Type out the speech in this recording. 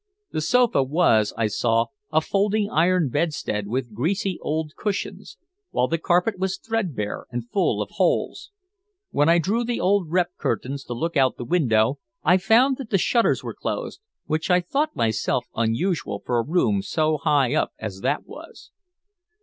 The sofa was, I saw, a folding iron bedstead with greasy old cushions, while the carpet was threadbare and full of holes. When I drew the old rep curtains to look out of the window, I found that the shutters were closed, which I thought unusual for a room so high up as that was.